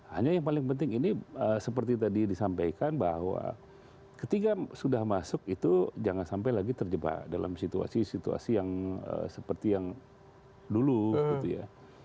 hanya yang paling penting ini seperti tadi disampaikan bahwa ketika sudah masuk itu jangan sampai lagi terjebak dalam situasi situasi yang seperti yang dulu gitu ya